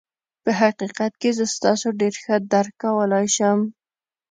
په حقيقت کې زه تاسو ډېر ښه درک کولای شم.